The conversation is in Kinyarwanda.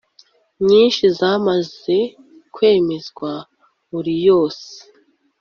nyinshi zamaze kwemezwa buri yose